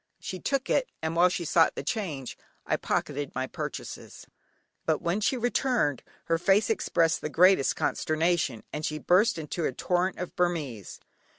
She took it, and while she sought the change, I pocketed my purchases. [Illustration: NATIVE BAZAAR AT REMYO] But when she returned, her face expressed the greatest consternation, and she burst into a torrent of Burmese.